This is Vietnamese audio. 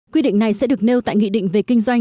quy định này sẽ được nêu tại nghị định về kinh doanh